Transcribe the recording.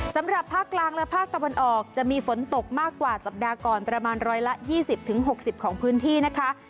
สำหรับภาคกลางและภาคตะวันออกจะมีฝนตกมากกว่าสัปดาห์ก่อนประมาณร้อยละยี่สิบถึงหกสิบของพื้นที่นะคะ